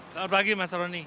selamat pagi mas roni